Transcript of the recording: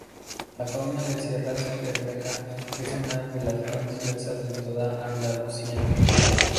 La fauna de Sierra Bermeja es una de las más diversas de toda Andalucía.